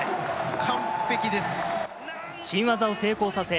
完璧ですね。